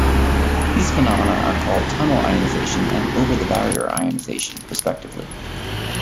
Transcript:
These phenomena are called tunnel ionization and over-the-barrier ionization, respectively.